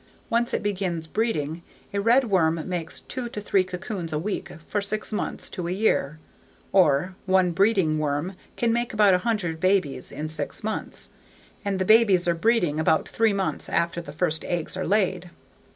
Once it begins breeding a redworm makes two to three cocoons a week for six months to a year; or, one breeding worm can make about 100 babies in six months. And the babies are breeding about three months after the first eggs are laid.